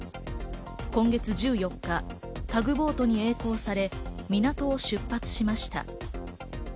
今月１４日、タグボートにえい航され、港を出発しました。